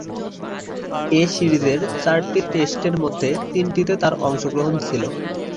এ সিরিজের চারটি টেস্টের মধ্যে তিনটিতে তার অংশগ্রহণ ছিল।